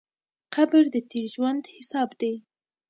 قبر د تېر ژوند حساب دی.